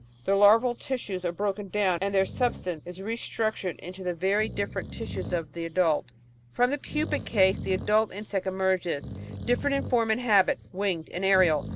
The larval tissues are broken down and their substance is reconstructed into the very different Natural Hlstoty 535 tissues of the adult. From the pupa case the adult insect emerges, different in form and habit, winged and aerial.